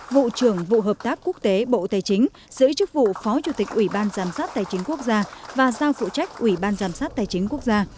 vụ trưởng vụ hợp tác quốc tế bộ tài chính giữ chức vụ phó chủ tịch ủy ban giám sát tài chính quốc gia và giao phụ trách ủy ban giám sát tài chính quốc gia